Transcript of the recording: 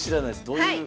どういう？